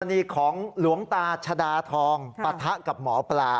อันนี้ของหลวงตาชดาทองปะทะกับหมอปลา